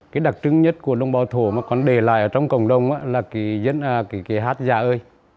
cái đặc trưng nhất của đồng bào thổ mà còn để lại ở trong cộng đồng là cái hát giả ơi